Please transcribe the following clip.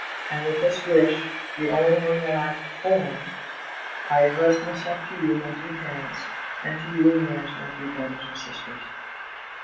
And with this wish, the only one that I form, I address myself to you, my dear parents, and to you and yours, my dear brothers and sisters.